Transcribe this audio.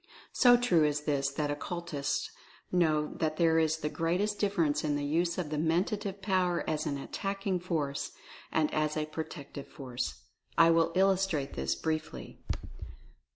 So true is this that occultists know that there is the greatest difference in the use of the Mentative Power as an Attacking Force, and as a Protective Force. I will illustrate this briefly.